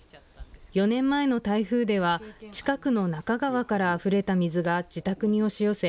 ４年前の台風では近くの那珂川からあふれた水が自宅に押し寄せ